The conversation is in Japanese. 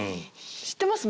知ってます？